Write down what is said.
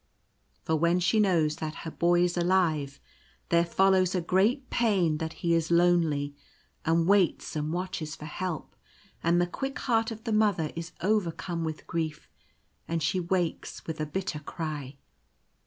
For when she knows that her Boy is alive, there follows a great pain that he is lonely and waits and watches for help ; and the quick heart of the Mother is overcome with grief, and she wakes with a bitter cry.